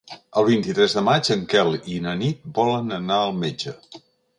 El vint-i-tres de maig en Quel i na Nit volen anar al metge.